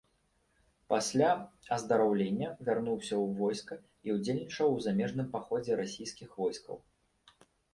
Пасля аздараўлення вярнуўся ў войска і ўдзельнічаў у замежным паходзе расійскіх войскаў.